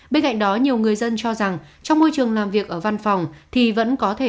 bên cạnh đó nhiều người dân cho rằng trong môi trường làm việc ở văn phòng thì vẫn có thể